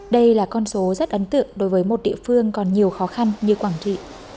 đây là con số rất ấn tượng đối với một địa phương còn nhiều khó khăn như quảng trị